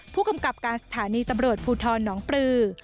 ผู้กำกับการสถานีตำรวจภูทรน้องปลือ